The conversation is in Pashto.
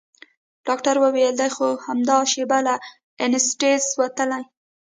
ډاکتر وويل دى خو همدا شېبه له انستيزي وتلى.